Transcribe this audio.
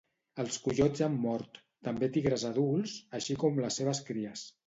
Els coiots han mort, també tigres adults, així com les seves cries.